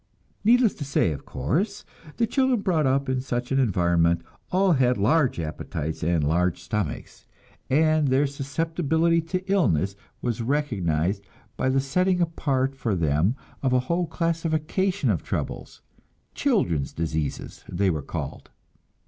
Needless to say, of course, the children brought up in such an environment all had large appetites and large stomachs, and their susceptibility to illness was recognized by the setting apart for them of a whole classification of troubles "children's diseases," they were called.